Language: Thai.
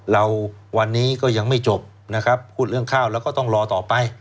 เราวันนี้ก็ยังไม่จบนะครับพูดเรื่องข้าวแล้วก็ต้องรอต่อไป